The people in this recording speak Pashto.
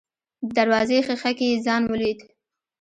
د دروازې ښيښه کې يې ځان وليد.